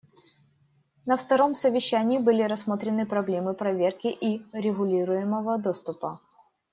На втором совещании были рассмотрены проблемы проверки и регулируемого доступа.